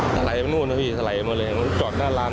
สลายมานู่นนะพี่สลายมาเลยจอดหน้าร้าน